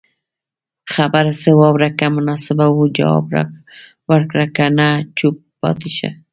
خبره خه واوره که مناسبه وه جواب ورکړه که نه چوپ پاتي شته